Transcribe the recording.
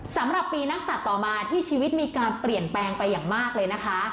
สำหรับปีนักศัตริย์ต่อมาที่ชีวิตมีการเปลี่ยนแปลงไปอย่างมากเลยนะคะ